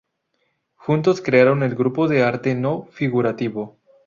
Juntos crearon el "Grupo de Arte No Figurativo".